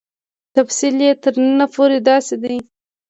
تفصیل یې تر نن پورې داسې دی.